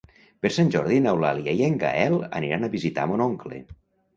Per Sant Jordi n'Eulàlia i en Gaël aniran a visitar mon oncle.